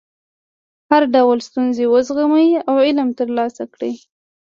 هر ډول ستونزې وزغمئ او علم ترلاسه کړئ.